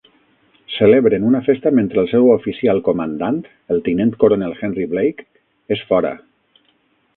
Celebren una festa mentre el seu oficial comandant, el tinent coronel Henry Blake, és fora.